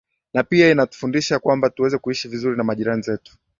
na pia inatufundisha kwamba tuweze kuishi vizuri na majirani zetu